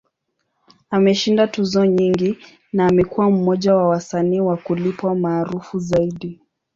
Ameshinda tuzo nyingi, na amekuwa mmoja wa wasanii wa kulipwa maarufu zaidi.